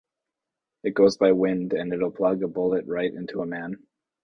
It goes by wind and it'll plug a bullet right into a man.